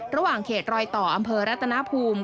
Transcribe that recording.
ระหว่างเขตรอยต่ออำเภอรัตนภูมิ